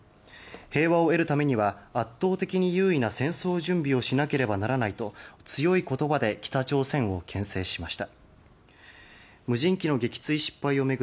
平和を得るためには圧倒的に優位な戦争準備をしなければならないと強い言葉で北朝鮮を牽制しました。